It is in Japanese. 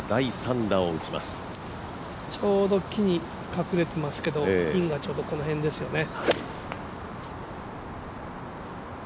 ちょうど木に隠れてますけどピンがこの辺ですね。